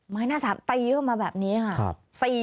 ไม้หน้าสามตีเข้ามาแบบนี้ค่ะ